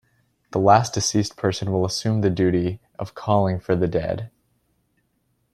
The last deceased person will assume the duty of calling for the dead.